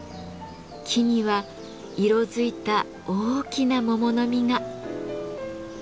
木には色付いた大きな桃の実が。